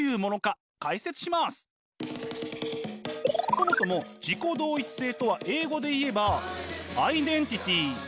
そもそも自己同一性とは英語で言えばアイデンティティー。